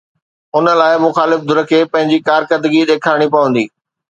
ان لاءِ مخالف ڌر کي پنهنجي ڪارڪردگي ڏيکارڻي پوندي.